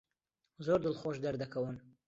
زۆر دڵخۆش دەردەکەون.